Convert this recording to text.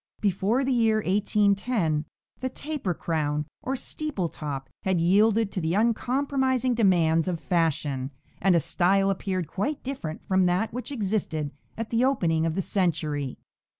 Before the year 1810 the "taper crown" or "steeple top" had yielded to the uncompromising demands of fashion, and a style appeared quite different from that which existed at the opening of the century.